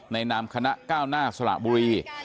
นามคณะก้าวหน้าสระบุรี